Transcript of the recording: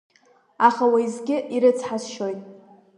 Аха уеизгьы ирыцҳасшьоит…